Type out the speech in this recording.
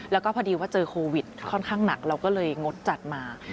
แล้วก็พอดีว่าเจอโควิดค่อนข้างหนักเราก็เลยงดจัดมา